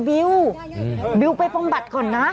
บิวบิวไปบำบัดก่อนนะ